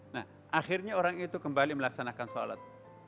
nah akhirnya orang itu kembali melaksanakan sholat